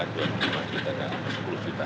itu prioritas ada yang bisa mendapatkan bantuan rumah